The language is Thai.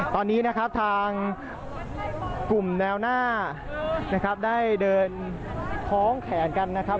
ตอนนี้นะครับทางกลุ่มแนวหน้านะครับได้เดินพ้องแขนกันนะครับ